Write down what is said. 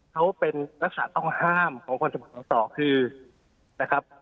เขาเป็นลักษณะต้องห้ามของคนสมุทรสงศคือนะครับ